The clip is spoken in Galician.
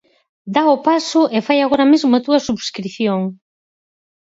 Da o paso e fai agora mesmo a túa subscrición!